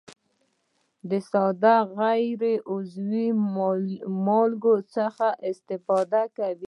د ساده غیر عضوي مالګو څخه استفاده کوي.